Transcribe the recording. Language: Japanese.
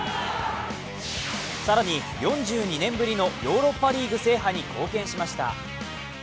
更に、４２年ぶりのヨーロッパリーグ制覇に貢献しました。